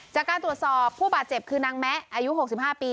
จากการตรวจสอบผู้บาดเจ็บคือนางแมะอายุ๖๕ปี